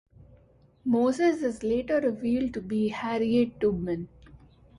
Moses is later revealed to be Harriet Tubman.